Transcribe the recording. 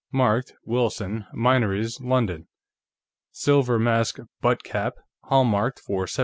Marked: Wilson, Minories, London. Silver masque butt cap, hallmarked for 1723.